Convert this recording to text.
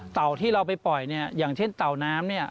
ที่เราไปปล่อยเนี่ยอย่างเช่นเต่าน้ำเนี่ย